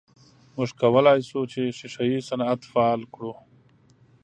موږ کولای سو چې ښیښه یي صنعت فعال کړو.